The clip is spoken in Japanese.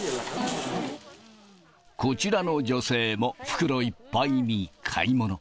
こちらの女性も袋いっぱいに買い物。